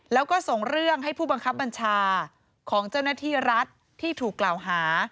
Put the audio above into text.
แล้วก็ส่งเรื่องให้ผู้บังคับบัญชาของเจ้าหน้าที่รัฐที่ถูกกล่าวหา